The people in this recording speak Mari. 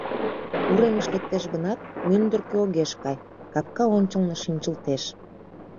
Уремыш лектеш гынат, мӱндыркӧ огеш кай, капка ончылно шинчылтеш.